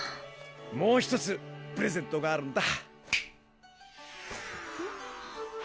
もうひとつプレゼントがあるんだ。